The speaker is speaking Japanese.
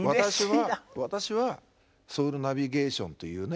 私はソウルナビゲーションというね